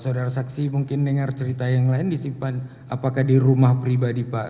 saudara saksi mungkin dengar cerita yang lain disimpan apakah di rumah pribadi pak